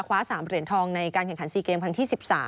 คว้า๓เหรียญทองในการแข่งขัน๔เกมครั้งที่๑๓